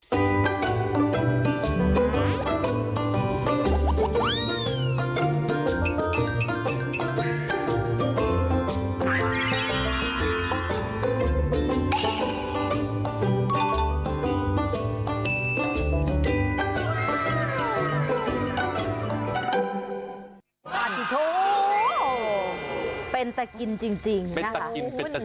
น้ำลายแจกรวดเลย